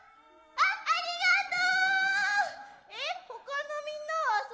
ありがとう。